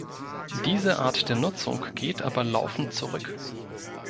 Diese Art der Nutzung geht aber laufend zurück.